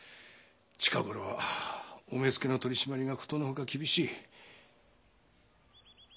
近頃はお目付の取り締まりがことのほか厳しい。